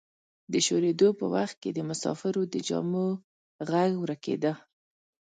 د شورېدو په وخت کې د مسافرو د جامو غږ ورکیده.